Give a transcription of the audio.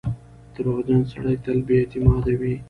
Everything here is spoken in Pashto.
• دروغجن سړی تل بې اعتماده وي.